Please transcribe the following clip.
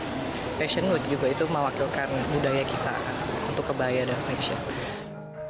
fashion juga itu mewakilkan budaya kita untuk kebahayaan dan fashion